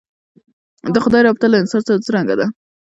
د خدای رابطه له انسان سره څرنګه ده.